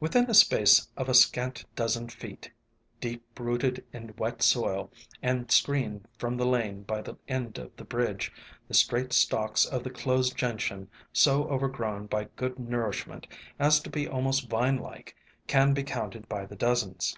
Within a space of a scant dozen feet, deep 56 ALONG THE WATERWAYS rooted in wet soil, and screened from the lane by the end of the bridge, the straight stalks of the Closed Gentian, so overgrown by good nourish ment as to be almost vine like, can be counted by the dozens.